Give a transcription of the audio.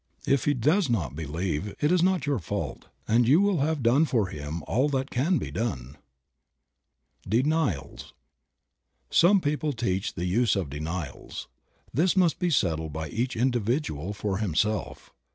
If he does not believe it is not your fault, and you will have done for him all that can be done. DENIALS. COME people teach the use of denials. This must be settled by each individual for himself.